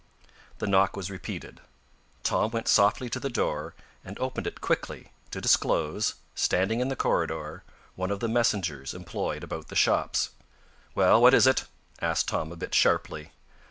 The knock was repeated. Tom went softly to the door and opened it quickly, to disclose, standing in the corridor, one of the messengers employed about the shops. "Well, what is it?" asked Tom a bit sharply.